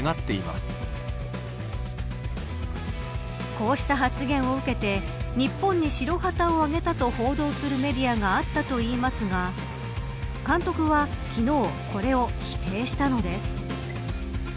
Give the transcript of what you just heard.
こうした発言を受けて日本に白旗を揚げたと報道するメディアがあったといいますが監督は昨日これを否定したのです。